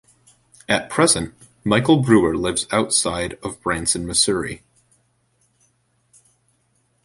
At present, Michael Brewer lives outside of Branson, Missouri.